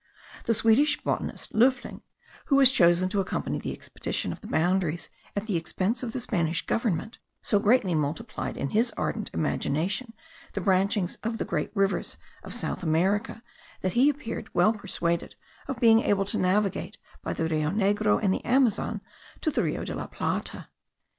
The Swedish botanist, Loefling, who was chosen to accompany the expedition of the boundaries at the expense of the Spanish government, so greatly multiplied in his ardent imagination the branchings of the great rivers of South America, that he appeared well persuaded of being able to navigate, by the Rio Negro and the Amazon, to the Rio de la Plata.